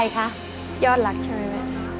ยอดรักใช่ไหมคะ